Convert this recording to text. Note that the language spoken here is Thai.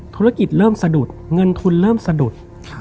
ธุรกิจเริ่มสะดุดเงินทุนเริ่มสะดุด